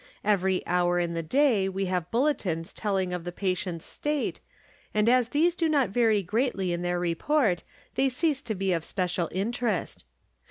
Every hour in the day we have bulletins telling of the patient's state, and as these do not vary greatly in their report they cease to be of special interest.